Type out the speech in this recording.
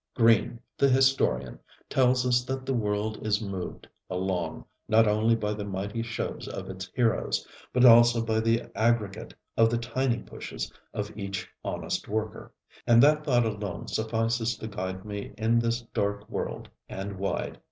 Green, the historian, tells us that the world is moved along, not only by the mighty shoves of its heroes, but also by the aggregate of the tiny pushes of each honest worker; and that thought alone suffices to guide me in this dark world and wide.